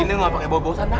ini ga pake bau bau sana